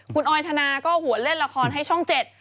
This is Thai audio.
คุณออยธนาก็หัวเล่นละครให้ช่องเจ็ด